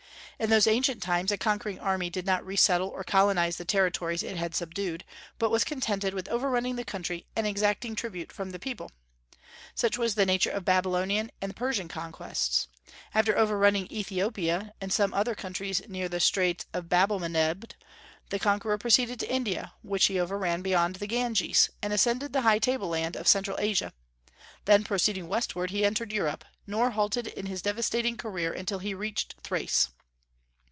In those ancient times a conquering army did not resettle or colonize the territories it had subdued, but was contented with overrunning the country and exacting tribute from the people. Such was the nature of the Babylonian and Persian conquests. After overrunning Ethiopia and some other countries near the Straits of Babelmandeb, the conqueror proceeded to India, which he overran beyond the Ganges, and ascended the high table land of Central Asia; then proceeding westward, he entered Europe, nor halted in his devastating career until he reached Thrace.